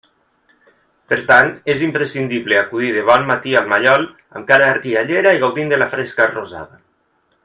Per tant, és imprescindible acudir de bon matí al mallol amb cara riallera i gaudint de la fresca rosada.